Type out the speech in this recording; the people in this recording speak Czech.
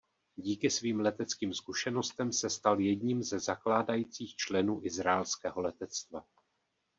Díky svým leteckým zkušenostem se stal jedním ze zakládajících členů izraelského letectva.